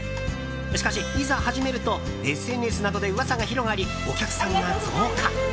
しかし、いざ始めるとＳＮＳなどで噂が広がりお客さんが増加。